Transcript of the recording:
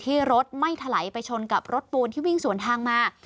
รถไม่ถลายไปชนกับรถปูนที่วิ่งสวนทางมา